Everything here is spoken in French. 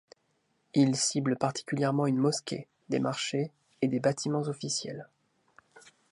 Ils ciblent particulièrement une mosquée, des marchés et des bâtiments officiels.